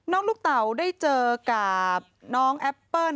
ลูกเต่าได้เจอกับน้องแอปเปิ้ล